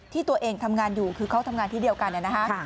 ที่ตัวเองทำงานอยู่คือเขาทำงานที่เดียวกันนะฮะ